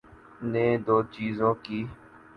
‘نے دوچیزیں کیں۔